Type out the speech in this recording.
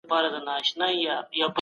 د ژبي کنټرول د اخلاقو نښه ده.